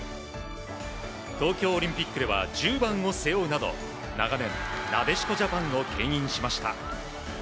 東京オリンピックでは１０番を背負うなど長年、なでしこジャパンを牽引しました。